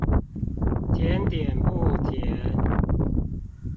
甜點不甜